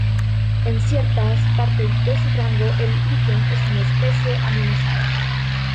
En ciertas partes de su rango el liquen es una especie amenazada.